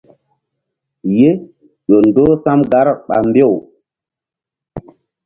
Ye ƴo ndoh sam gar ɓa mbew.